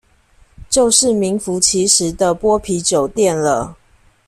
就是名符其實的剝皮酒店了